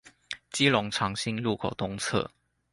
基隆長興路口東側